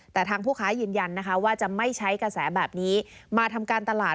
แต่ทางผู้ค้ายืนยันนะคะว่าจะไม่ใช้กระแสแบบนี้มาทำการตลาด